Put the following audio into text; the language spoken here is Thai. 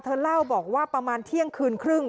เล่าบอกว่าประมาณเที่ยงคืนครึ่ง